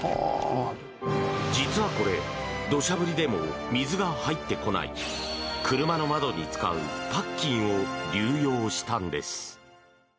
実はこれ土砂降りでも水が入ってこない車の窓に使うパッキンを流用したんです。